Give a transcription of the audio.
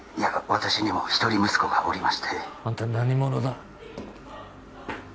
私にも一人息子がおりましてあんた何者だ？